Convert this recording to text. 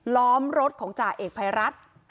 ล้อมรถของจ่าเอกภัยรัฐ